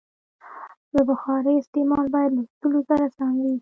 د بخارۍ استعمال باید له اصولو سره سم وي.